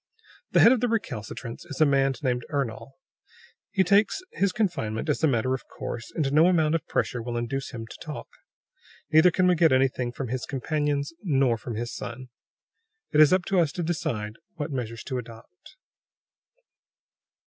"The head of the recalcitrants is a man named Ernol. He takes his confinement as a matter of course, and no amount of pressure will induce him to talk. Neither can we get anything from his companions, nor from his son. "It is up to us to decide what measures to adopt."